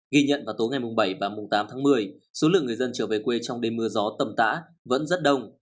ghi nhận vào tối ngày bảy và mùng tám tháng một mươi số lượng người dân trở về quê trong đêm mưa gió tầm tã vẫn rất đông